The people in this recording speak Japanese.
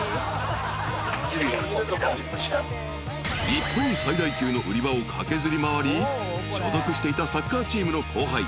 ［日本最大級の売り場を駆けずり回り所属していたサッカーチームの後輩